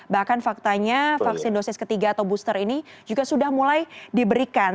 bahkan faktanya vaksin dosis ketiga atau booster ini juga sudah mulai diberikan